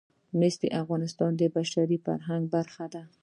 مس د افغانستان د بشري فرهنګ برخه ده.